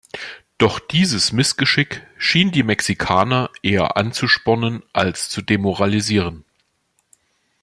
Doch dieses Missgeschick schien die Mexikaner eher anzuspornen als zu demoralisieren.